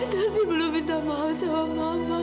tapi belum minta maaf sama mama